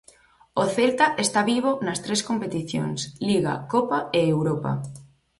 O Celta está vivo nas tres competicións: Liga, Copa e Europa.